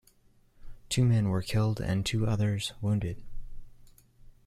Two men were killed and two others wounded.